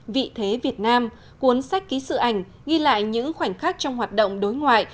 vị thế việt nam cuốn sách ký sự ảnh ghi lại những khoảnh khắc trong hoạt động đối ngoại